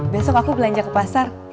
besok aku belanja ke pasar